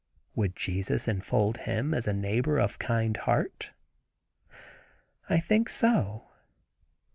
Would Jesus enfold him as a neighbor of kind heart? I think so.